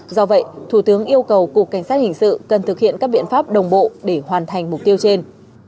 do vậy thủ tướng yêu cầu cục cảnh sát hình sự cần thực hiện các biện pháp đồng bộ để hoàn thành mục tiêu trên